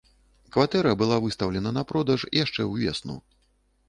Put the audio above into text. Кватэра была выстаўлена на продаж яшчэ ўвесну.